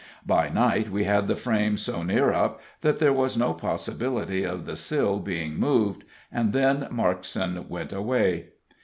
By night we had the frame so near up, that there was no possibility of the sill being moved; and then Markson went away.